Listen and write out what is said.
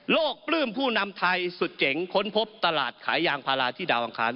ปลื้มผู้นำไทยสุดเจ๋งค้นพบตลาดขายยางพาราที่ดาวอังคาร